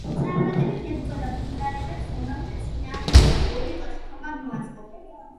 წარმატებით ებრძოდა ბულგარელებს, რომელთა წინააღმდეგაც ორი ლაშქრობა მოაწყო.